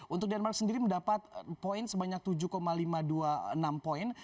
untuk denmark sendiri mendapat poin sebanyak tujuh lima ratus dua puluh enam poin